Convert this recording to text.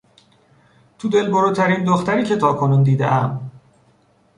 تو دل بروترین دختری که تاکنون دیدهام